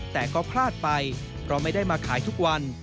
แต่ก็พลาดไปเพราะไม่ได้มาขายทุกวัน